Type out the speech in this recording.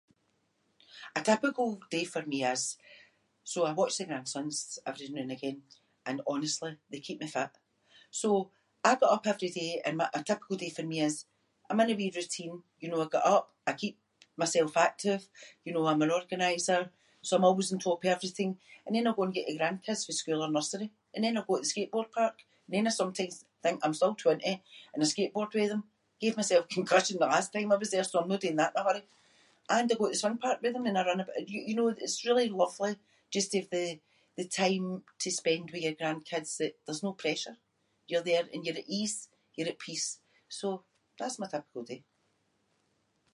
A typical day for me is- so I watch the grandsons every noo and again and, honestly, they keep me fit. So, I get up every day and what a typical day for me is- I’m in a wee routine, you know, I get up, I keep myself active, you know, I’m an organiser so I’m always on top of everything. And then I’ll go and get the grandkids fae school or nursery, and then I’ll go to the skateboard park, and then I sometimes think I’m still twenty and I skateboard with them- gave myself concussion the last time I was there so I’m no doing that in a hurry. And I go to the swing park with them and I run ab- y-you know, it’s really lovely just to have the- the time to spend with your grandkids that there’s no pressure. You’re there and you’re at ease, you’re at peace. So, that’s my typical day.